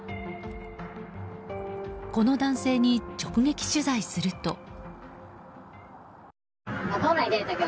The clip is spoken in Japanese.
この男性に直撃取材すると。